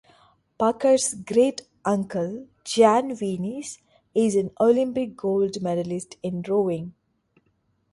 Parker's great-uncle Jan Wienese is an Olympic gold medalist in rowing.